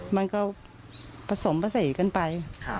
มันก็ผสมประเสร็จกันไป